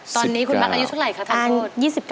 ตอนนี้คุณมักอายุเท่าไหร่คะทานโทษ